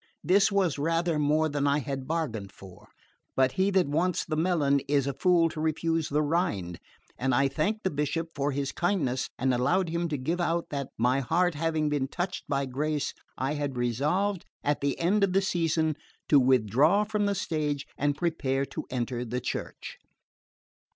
This was rather more than I had bargained for, but he that wants the melon is a fool to refuse the rind, and I thanked the Bishop for his kindness and allowed him to give out that, my heart having been touched by grace, I had resolved, at the end of the season, to withdraw from the stage and prepare to enter the Church.